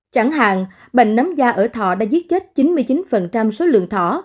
chẳng hạn bệnh nắm da ở thỏ đã giết chết chín mươi chín số lượng thỏ